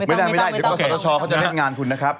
ไม่ได้เดี๋ยวก็สาธาชอเขาจะให้งานคุณนะครับ